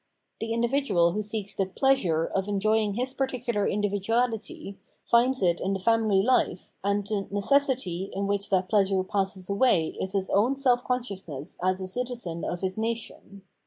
The individual who seeks the pleasure '' of enjoying his particular individuality, finds it in the family life, and the necessity in which that pleasure passes away is his own self consciousness as a citizen of his nation.